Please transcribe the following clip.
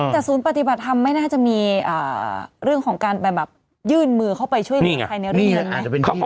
แต่ศูนย์ปฏิบัติทำไม่น่าจะมีเรื่องของการยื่นมือเข้าไปช่วยใคร